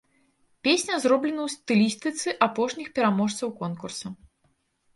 Песня зроблена ў стылістыцы апошніх пераможцаў конкурса.